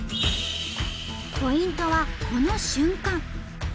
ポイントはこの瞬間。